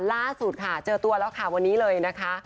ล่าสุดค่ะเจอตัวแล้วค่ะวันนี้เลยนะคะ